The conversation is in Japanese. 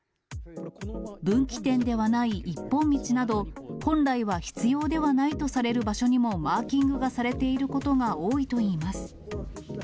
分岐点ではない一本道など、本来は必要ではないとされる場所にもマーキングされていることが多いといいます。